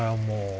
もう。